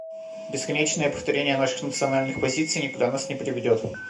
Бесконечное повторение наших национальных позиций никуда нас не приведет.